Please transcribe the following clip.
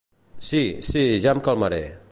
Si, si, ja em calmaré.